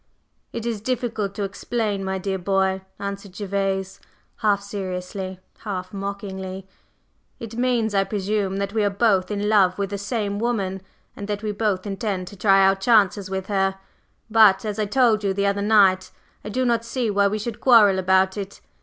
"It is difficult to explain, my dear boy," answered Gervase, half seriously, half mockingly. "It means, I presume, that we are both in love with the same woman, and that we both intend to try our chances with her. But, as I told you the other night, I do not see why we should quarrel about it.